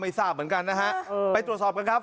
ทราบเหมือนกันนะฮะไปตรวจสอบกันครับ